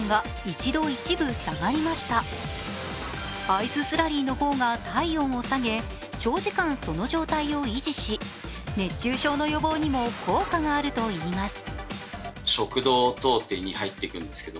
アイススラリーの方が体温を下げ、長時間その状態を維持し、熱中症の予防にも効果があるといいます。